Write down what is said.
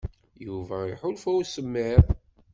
Yuba iḥulfa i usemmiḍ.